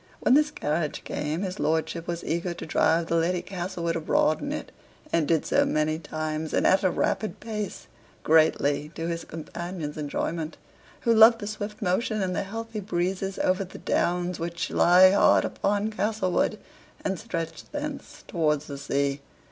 When this carriage came, his lordship was eager to drive the Lady Castlewood abroad in it, and did so many times, and at a rapid pace, greatly to his companion's enjoyment, who loved the swift motion and the healthy breezes over the downs which lie hard upon Castlewood, and stretch thence towards the sea.